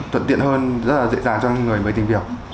thuận tiện hơn rất là dễ dàng cho những người mới tìm việc